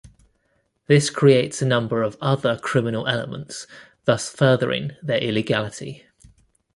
This creates a number of other criminal elements, thus furthering their illegality.